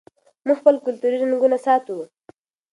موږ خپل کلتوري رنګونه ساتو.